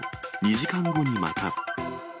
２時間後にまた。